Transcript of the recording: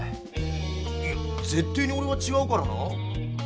いやぜってえにおれはちがうからな！